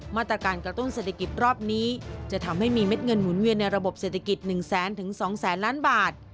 มาตรการกระตุ้นเศรษฐกิจรอบนี้จะทำให้มีเม็ดเงินหมุนเวียนในระบบเศรษฐกิจ๑แสนถึง๒แสนล้านบาท